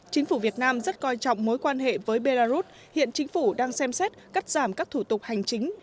chính phủ việt nam rất coi trọng mối quan hệ với belarus hiện chính phủ đang xem xét cắt giảm các thủ tục hành chính